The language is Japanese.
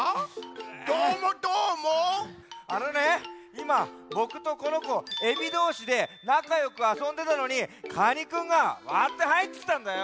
いまボクとこのこエビどうしでなかよくあそんでたのにカニくんがわってはいってきたんだよ。